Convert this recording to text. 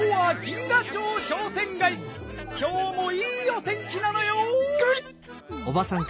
きょうもいいお天気なのよん。